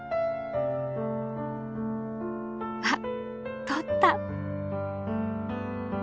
あっとった！